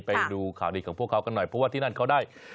ไปดูข่าวดีของพวกเขากันหน่อยเพราะว่าที่นั่นเขาได้